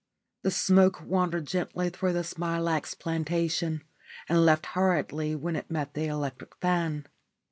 The smoke wandered gently through the smilax plantation, and left hurriedly when it met the electric fan.